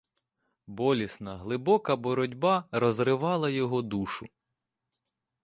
Болісна, глибока боротьба розривала його душу.